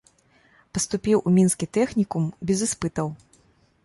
Паступіў у мінскі тэхнікум без іспытаў.